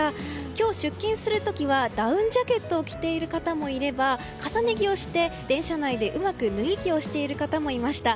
今日出勤する時はダウンジャケットを着ている方もいれば重ね着をして電車内でうまく脱ぎ着をしている方もいました。